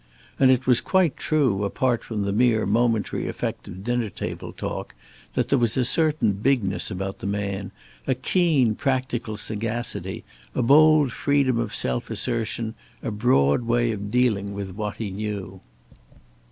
And it was quite true, apart from the mere momentary effect of dinner table talk, that there was a certain bigness about the man; a keen practical sagacity; a bold freedom of self assertion; a broad way of dealing with what he knew.